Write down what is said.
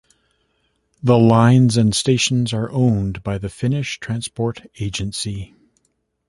The lines and the stations are owned by the Finnish Transport Agency.